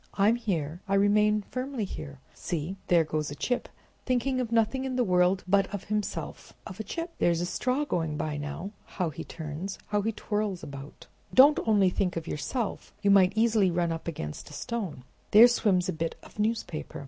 I'm here, I remain firmly here. See, there goes a chip thinking of nothing in the world but of himself—of a chip! There's a straw going by now. How he turns! how he twirls about! Don't think only of yourself, you might easily run up against a stone. There swims a bit of newspaper.